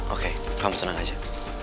oke kamu tenang aja